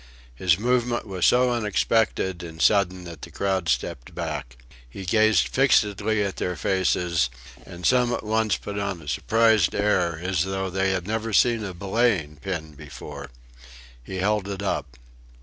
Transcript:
His movement was so unexpected and sudden that the crowd stepped back. He gazed fixedly at their faces, and some at once put on a surprised air as though they had never seen a belaying pin before. He held it up.